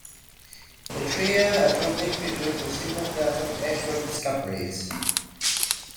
The trio are jointly credited with several thousand asteroid discoveries.